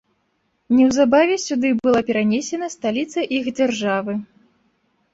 Неўзабаве сюды была перанесена сталіца іх дзяржавы.